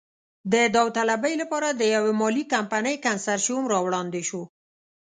د داوطلبۍ لپاره د یوې مالي کمپنۍ کنسرشیوم را وړاندې شو.